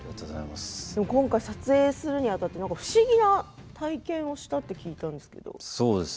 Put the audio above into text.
今回、撮影するにあたって不思議な体験をしたと聞いたんですけど。